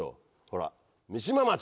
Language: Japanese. ほら三島町。